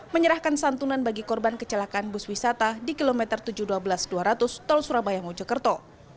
menyerahkan santunan bagi korban kecelakaan bus wisata di kilometer tujuh ratus dua belas dua ratus tol surabaya mojokerto